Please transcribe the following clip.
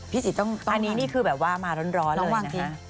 จิตต้องตอนนี้นี่คือแบบว่ามาร้อนเลยนะคะ